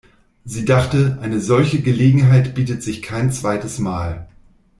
Sie dachte, eine solche Gelegenheit bietet sich kein zweites Mal.